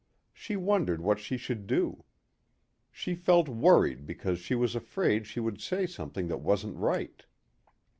She wondered what she should do. She felt worried because she was afraid she would say something that wasn't right.